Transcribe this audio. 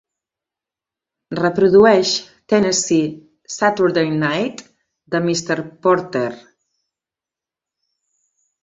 Reprodueix Tennessee Saturday Night de Mr. Porter